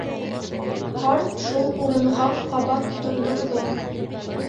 Ҡарт шул урынға ҡабат тондорҙо.